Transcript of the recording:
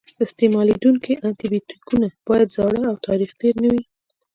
استعمالیدونکي انټي بیوټیکونه باید زاړه او تاریخ تېر نه وي.